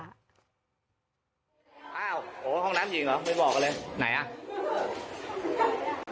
อ้าวโหห้องน้ำหญิงเหรอไม่บอกกันเลยไหนอ่ะ